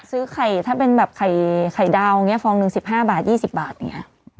ซื้อไข่ถ้าเป็นแบบไข่ดาวอย่างนี้ฟองหนึ่ง๑๕บาท๒๐บาทอย่างนี้